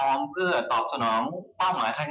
ลงทุนพลุงเด้นฟัง